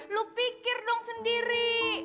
lu pikir dong sendiri